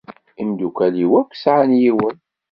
Imeddukal-iw akk sεan yiwen.